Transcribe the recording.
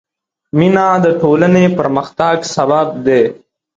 مینه د ټولنې پرمختګ سبب دی.